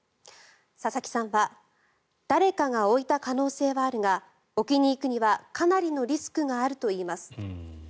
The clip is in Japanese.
佐々木さんは誰かが置いた可能性はあるが置きに行くにはかなりのリスクがあるといいます。